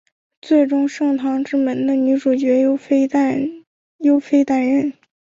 最终圣堂之门的女主角由飞担任。